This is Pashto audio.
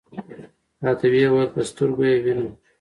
راته وې ویل: په سترګو یې وینم .